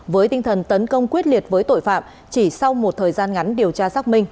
với tinh thần tấn công quyết liệt với tội phạm chỉ sau một thời gian ngắn điều tra xác minh